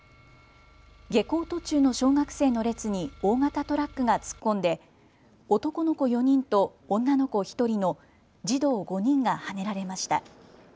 下校途中の小学生の列に大型トラックが突っ込んで男の子４人と女の子１人の児童５人がはねられました。